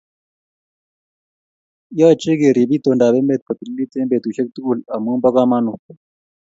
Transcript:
Yochei kerib itondap emet ko tililit eng betusiek tugul amu bo kamanut